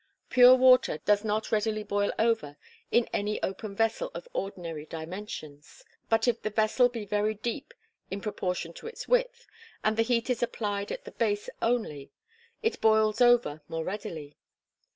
Pure water does not readily boil over in any open vessel of ordinary dimensions. But if the vessel be very deep in proportion to its width, and the heat is applied at the base only, it boils over more readily.